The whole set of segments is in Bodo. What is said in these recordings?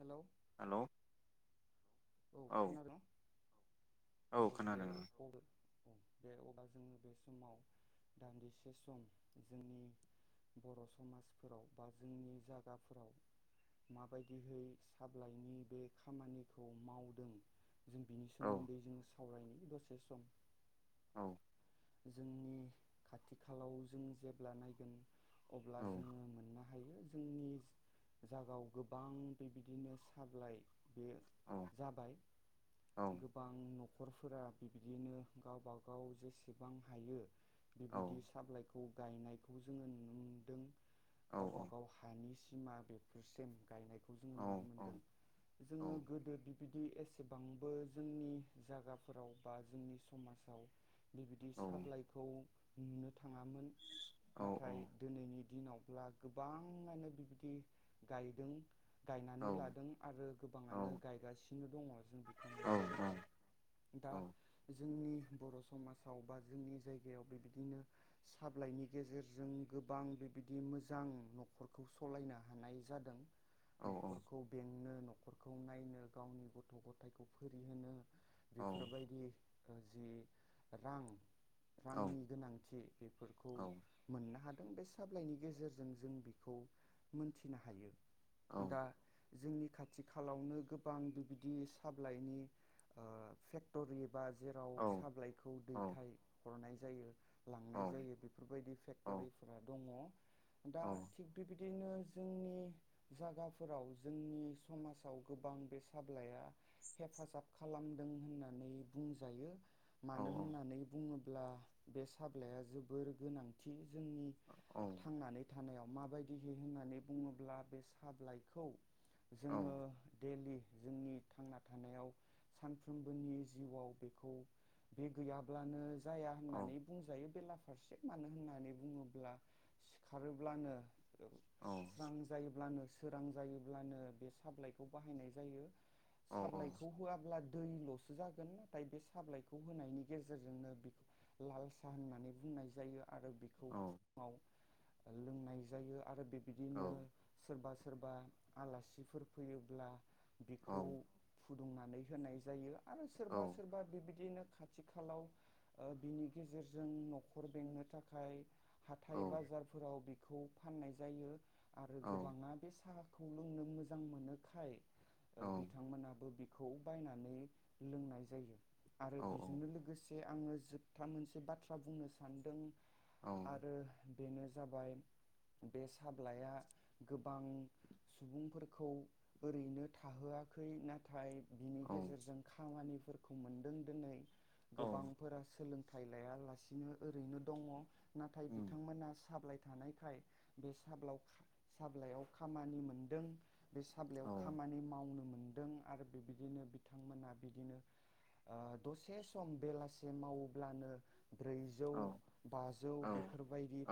हेलौ हेल' औ खोनादों औ औ दे [unintelligible] बे अब्ला जोंङो बे समाव दान्दिसे सम जोंनि बर' समाजफोराव बा जोंनि जायगाफोराव माबायदिहै सा बिलायनि बे खामानिखौ मावदों जों बिनि सोमोन्दै जों सावरायनि दसे सम औ जोंनि खाथि खालाव जों जेब्ला नायगोन अब्ला जोंङो मोना हायो जोंनि जागायाव गोबां बेबायदिनो साबिलाइ बे जाबाय गोबां न'ख न'खरफोरा बिबदिनो गावब गाव जेसेबां हायो बिबायदि साबिलाय खौ गायनायखौ जोंङो नुनो मोनदों गावबा गाव हानि सि बिमा बेफोर सेम गायनायखौ जोंङो नुनो मोनदों जोंङो गोदो बि बिदि एसेबांबो जोंनि जागाफोराव बा जोंनि समाजाव बिबायदि सा बिलाइखौ नुनो थाङामोन नाथाय दिनैनि दिनावब्ला गोबांङानो बिबायदि गायदों गायनानै लादों आरो गोबांङानो गायगासिनो [unintelligible] जों बेखौ नुनो मोनदों दा जोंनि बर' समाजाव बा जोंनि जायगायाव बेबायदिनो साब्लायनि गेजेरजों गोबां बेबायदि मोजां नख'रखौ सलायनो हानाय जादों। नख'रखौ बेंनो नख'रखौ नायनो गावनि गथ' गथायखौ फोरिहोनो बेफोरबायदि ओ जि रां रांनि गोनांथि बेफोरखौ मोननो हादों। बे साबलायनि गेजेरजों जों बेखौ मोनथिनो हायो। दा जोंनि खाथि खालावनो गोबां बिबायदि सााबलाइनि ओ फेक्टरि बा जेराव साबलाइखौ दैथाय हरनाय जायो। लांनाय जायो बेफोरबायदि फेक्टरिफोरा दङ। दा थिग बि बिदिनो जोंनि जागाफोराव जोंनि समाजाव गोबां बेसे साब्लाया हेफाजाब खालामदों होननानै बुंजायो। मानो होननानै बुङो ब्ला बे साब्लाया जोबोर गोनांथि जोंनि थांनानै थानायाव माबायदिहै होननानै बुङोब्ला बे साबलाइखौ जोङो डेलि जोंनि थांना थानायाव सानफ्रोमबोनि जिउआव बेखौ बे गैयाब्लानो जाया होननानै बुंजायो बेला फारसे मानो होननानै बुङोब्ला सिखारोब्लानो स्रां जायोब्लानो सोरां जायोब्लानो बे साप्लाइखौ बाहायनाय जायो। साब्लाइखौ होआब्ला दै ल'सो जागोन नाथाय बे साबलाइखौ होनायनि गेजेरजोंनो बेखौ लाल साह होननानै बुंनाय जायो। आरो बेखौ फुङाव लोंनाय जायो आरो बे बिदिनो सोरबा सोरबा आलासिफोर फोयोब्ला बिखौ फुदुंनानै होनायजायो आरो सोरबा सोरबा बिबादिनो खाथिखालाव ओह बिनिगेजेरजों नखर बेंनोथाखाय हाथाय बाजारफोराव बिब खौ फाननाय जायो। आरो गोबाङानो बे सा खौ लोंनो मोजां मोनोखाय ओ बिथांमोनाबो बि खौ बायनानै लोंनाय जायो। आरो बिजोंनो लोगोस बे आङो जोबथा मोनसे बाथ्रा बुंनो सानदों। आरो बेनो जाबाय बे साब्लाया गोबां सुबुंफोरखौ ओरैनो थाहोआखै नाथाय बिनि गेजेरजों खामानि फोरखौ मोनदों दोनै गोबांफोरा सोलों थाइ लायालासिनो ओरैनो दङ। नाथाय बिथांमोना साब्लाइ थानायखाय बे साब्लाव खा साथ्लायाव खामानि मोनदों। बे साब्लायाव खा मावनो मोनदों आरो बेबिदिनो बिथांमोना बिदिनो ओ दसे सम बेलासे मावोब्लानो ब्रैजौ बाजौ बेफोरबायदि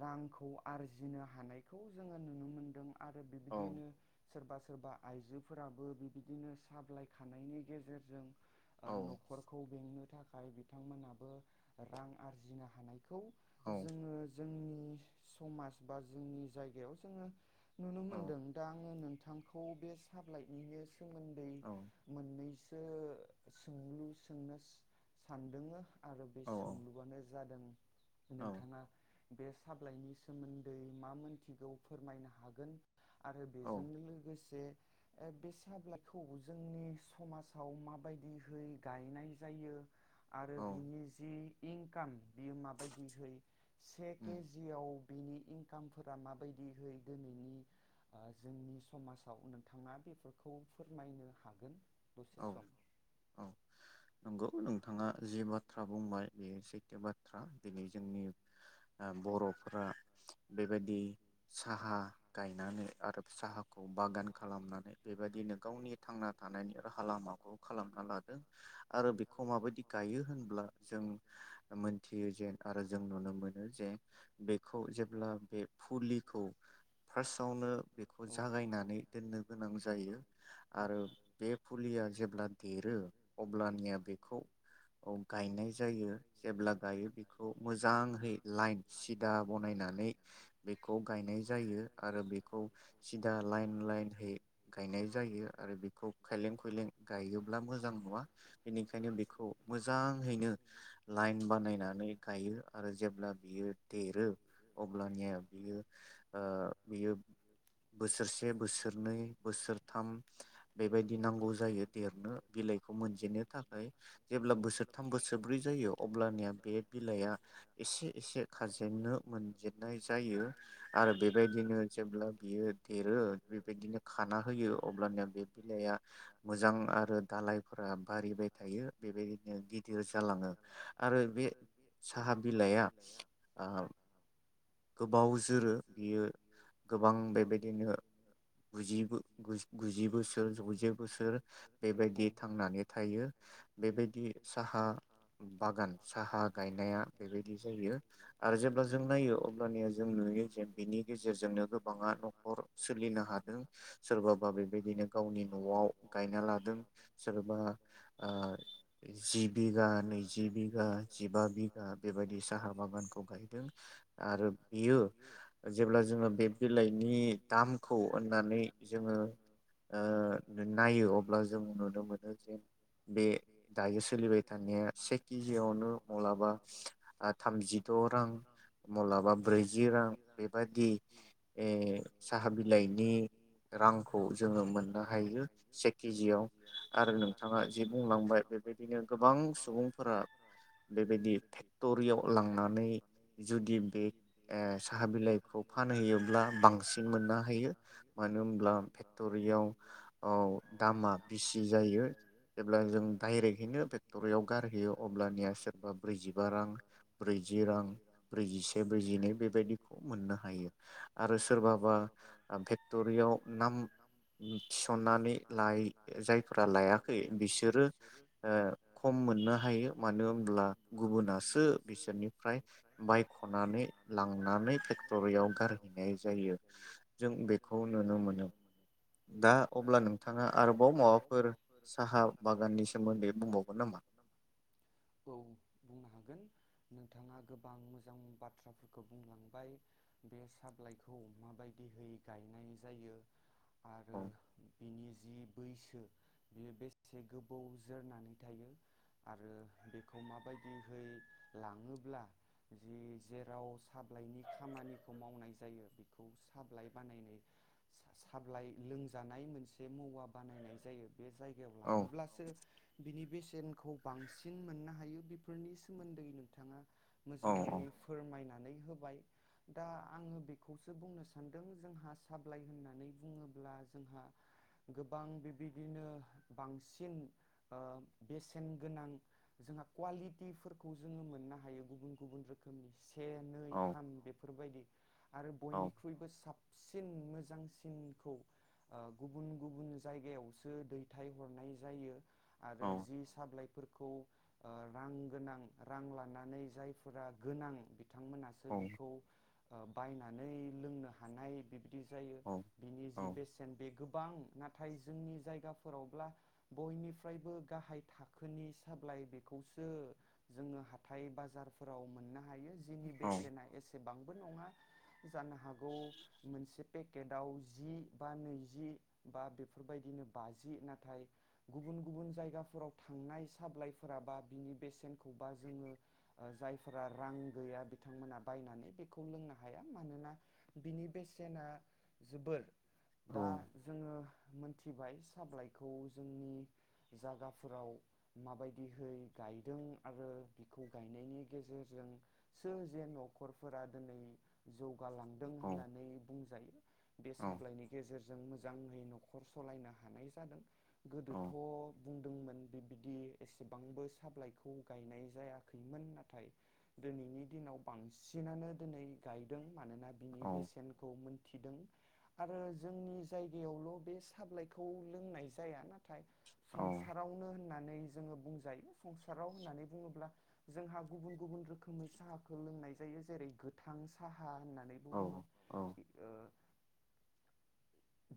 रां खौ आरजिनो हानायखौ जोंङो नुनो मोनदों। आरो बिबदिनो सोरबा सोरबा आइजोफोराबो बिबदिनो साब्लाय खानायनि गेजेरजों ओ नखरखौ बेंनो थाखाय बिथांमोनाबो रां आरजिनो हानाय खौ जोङो जोंनि समाज बा जोंनि जायगायाव जोङो नुनो मोनदों दा आङो नों [unintelligible] [unintelligible] सोमोन्दै मोननैसो आङो सोंलु सोंनो सानदोमोन आरो बे सोंलुआनो जादों नोथांआ बे साबलाइनि सोमोन्दै मा मोनथिगौ फोरमायनो हागोन आरो बेजों लोगोसे जे बे साब्लाइखौ जोंनि समाजाव माबायदिहै गायनाय जायो आरो बिनि जि इनकाम बियो माबायदिहै से केजियाव बेनि इनकामफोरा माबायदिहै दिनैनि जोंनि समाजाव नोंथाङा बेफोरखौ फोरमायनो हागोन दसे सम नोंथाङा जि बाथ्रा बुंबाय बेयो सैथो बाथ्रा दिनै जोंनि बरफोरा बेबायदि साहा गायनानै आरो साहाखौ बागान खालामनानै बेबायदिनो गावनि थांना थानायनि राहा लामाखौ खालामना लादों आरो बेखौ माबायदि गायो होनब्ला जों मोनथियो जेन आरो जों नुनो मोनो जे बेखौ जेब्ला बे फुलिखौ फारसआवनो बेखौ जागायनानै दोननो गोनां जायो जायो आरो बे फुलिया जेब्ला देरो अब्लानिया बेखौ औ गायनाय जायो जेब्ला गायो बेखौ मोजांहै लाइन सिदा बनायनानै बेखौ गायनाय जायो आरो बेखौ सिदा लाइन लाइनहै गायनाय जायो आरो बेखौ खाइलें खुइलें गायोब्ला मोजां नङा बेनिखायनो बेखौ मोजाङैनो लाइन नानै गायो आरो जेब्ला बियो देरो अब्लानि बियो ओ बियो बोसोरसे बोसोरनै बोसोरथाम [unintelligible] जायो देरनो बिलाइखौ मोनजेननो थाखाय जेब्ला बोसोरथाम बोसोरब्रै जायो अब्ला बे बिलाइआ एसे एसे खाजेनन्नो मोनजेननाय जायो आरो बेबायदिनो जेब्ला बियो देरो बेबायदिनो खाना होयो अब्लानिया बे बिलाइआ मोजां आरो दालायफोरा बारिबाय थायो बेबायदिनो गिदिर जालाङो आरो बे साहा बिलाइआ गोबाव जोरो बियो गोबां बेबायदिनो गुजि गुजि बोसोर जौजे बोसोर बेबायदि थांनानै थायो बेबायदि साहा बागान साहा गायनाया बेबायदि जायो आरो जेब्ला जों नायो अ अब्लानिया जों नुयो जे बिनि गेजेरजोंनो गोबाङा नखर सोलिनो हादों सोरबाबा बेबायदिनो गावनि नआव गायना लादों सोरबा जि बिघा नैजि बि बिगा जिबा बिगा बेबायदि साहा बागानखौ गायदों। आरो बियो जेब्ला जोङो बे बिलाइनि दामखौ होननानै जोङो ओ नायो अब्ला जों नुनो मोनो जे बे दायो सोलिबाय थानाया से केजि बेयावनो मलाबा ओ थामजिद रां मब्लाबा ब्रैजि रां बेबादि साहा बिलाइनि रांखौ जोङो मोननो हायो से केजियाव आरो नोंथाङा जे बुंलांबाय बेबायदिनो गोबां सुबुंफोर फ्रा बेबायदि फेक्टरियाव लांनानै दि बे ओ साहा बिलाइखौ फानहैयोब्ला बांसिन मोननो हायो मानो होनब्ला फेक्टरियाव ओ दामा बिसि जायो जेब्ला जों डायरेकहैनो फेक्टरियाव गारहैयो अब्लानिया सोरबा ब्रैजिबा रां ब्रैजि रां ब्रैजिसे ब्रैजिनै बेबायदिखौ मोननो हायो आरो सोरबाबा फेक्टरियाव नाम थिसननानै लाय-जायफोरा लायाखै बिसोरो ओ खम मोनो नो हायो मानो होनब्ला गुबुनासो बिसोरनिफ्राय बायखनानै लांनानै पेक्टरियाव गारहैनाय जायो जों बेखौ नुनो मोनो। दा अब्ला नोंथाङा आरोबाव माबाफोर साहा बागाननि सोमोन्दै बुंबावगोन नामा? औ बुंनो हागोन नोंथाङा गोबां मोजां बाथ्राफोरखौ बुंलांबाय बे सा बिलाइखौ माबायदिहै गायनाय जायो। आरो बिनि जि बैसो बेयो बेसे गोबाव जोरनानै थायो। आरो बेखौ माबायदिहै लाङोब्ला जि जेराव साब्लाइनि खामानिखौ मावनाय जायो बेखौ साबलाइ बानायनाय साबलाइ लोंजानाय मोनसे माववा बानायनाय जायो। बे जायगायाव लाङोब्लासो बिनि बे [unintelligible] बांसिन मोननो हायो बेफोरनि सोमोन्दै नोंथाङा मोजाङै फोरमायना नै होबाय दा आङो बेखौसो बुंनो सानदों जोंहा साब्लाय होननानै बुङोब्ला जोंहा गोबां बेबायदिनो बांसिन ओ बेसेन गोनां जोंहा कुवालिटिफोरखौ जोङो मोननो हायो गुबुन गुबुन रोखोमनि से नै थाम बेफोरबायदि आरो बयनिख्रुइबो साब सिन मोजांसिनखौ ओ गुबुन गुबुन जायगायावसो दैथायहरनाय जायो। आरो जि साप्लाइ फोरखौ ओ रां गोनां रां लानानै जायफोरा गोनां बिथांमोनासो बेखौ ओ बायनानै लोंनो हानाय बिबदि जायो बिनि जि बेसेन बे गोबां नाथाय जोंनि जायगाफोरावब्ला बयनिफ्रायबो गाहाय थाखो खोनि साप्लाइ बेखौसो जोङो हाथाइ बाजारफोराव मोननो हायो जिनि बेसेना एसेबां नङा जानो हागौ मोनसेे फेकेटआव जि बा, नैजि बा बेफोरबायदिनो बाजि नाथाय गुबुन गुबुन जायगाफोराव थांनाय साब्लाइफोराबा बिनि बेसेनखौबा जोङो जायफोरा रां गैया बिथांमोना बायनानै बेखौ लोंनो हाया। मानोना बिनि बेसेना जोबोर दा जोङो मोन मोनथिबाय साबलाइखौ जोंनि जागाफ फोराव माबायदिहै गायदों आरो बेखौ गायनायनि गेजेरजों सोर जे नखरफोरा दिनै जौ गालांदों होननानै बुंजायो बे सायनि गेजेरजों मोज मोजाङै नखर सालायनो हानाय जादों। गोदोथ बुं दोंमोन बिबायदि एसेबांबो साबलाइखौ गायनाय जायाखैमोन नाथाय दिनैनि दिनाव बांसिनानो दिनै गायदों। मानोना बिनि बेसेनखौ मोन थिदों आरो जोंनि जायगायावल बे साबलाइखौ लोंनाय जाया नाथ थाय फुं फु होननानै जोङो बुंजायो संसाराव होननानै बुङोब्ला जोंहा गुबुन गुबुन रोखोमै साहाखौ लोंनाय जायो जेरै गोथां साहा होनना होननानैबो बुङो ओ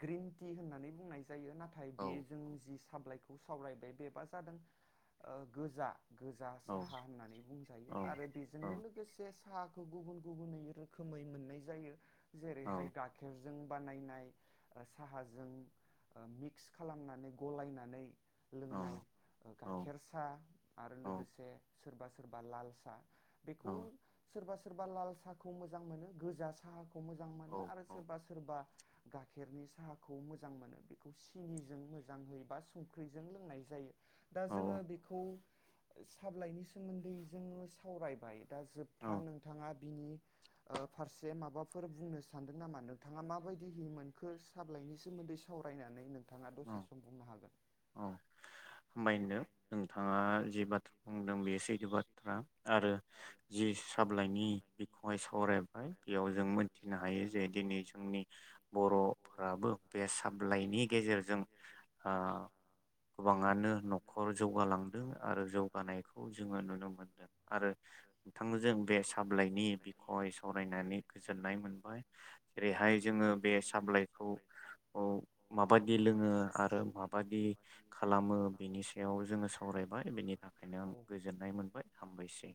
ग्रिन टि होननानै बुंनाय जायो नाथाय बे जों जि स साबिलायख खौसावरायबाय बेबा जादों ओ गोजा गोजा साहा होननानै बुंजायो आरो बेजोंनो लोगोसे साह गुबुन गुबुनै रोखोमै मोननाय जायो जेरैहाय गाखिर जों बानायनाय ओ साहाजों ओ मिक्स खालामनानै गलायनानै लोंनाय गाइखेर साह आरो लोगोसे सोरबा सोरबा लाल साह बेखौ सोरबा सोरबा लाल साहाखौ मोजां मोनो गोजा साहा ख खौ मोजां मोनो आरो सोरबा सोरबा गाइखेरनि साहाखौ मोजां मोनो बेखौ सिनिजों मोजां एबा संख ख्रैजों लोंनाय जायो दा जोङो बेखौ साब्लायनि सोमोन्दै जोङो सावरायबाय दा जोबथा नोंथाङा बिनि ओ फारसे माबाफोर बुंनो सानदों नामा नोंथाङा माबायदिहै मोनखो साब्लायनि सोमोन्दै सावरायनानै नों नोंथाङा दसे सम बुंनो हागोन हामबाय होदों नोंथाङा जि बाथ्रा बुंदों बेयो सैथो बाथ्रा आरो जि साब्लाइनि बिखहाय सावरायबाय बेयाव जों मोनथिनो हायो जे दिनै जोंनि बर' ब्लाबो बे साब्लाइनि गेजेरज जों ओ गोबाङानो नखर जौगालांदों आरो जौगानायखौ जोङो नुनो मोनदों आरो नोंथांजों बे साब्लाइनि बिखय सावरायनानै गोजोननाय मोनबाय जेरैहाय जोङो बे साब्लाइखौ औ माबा गेलेङो आरो माबादि खालामो बेनि सायाव जोङो सावरायबाय बेनि थाखायनो आं गोजोननाय मोनबाय हामबायसै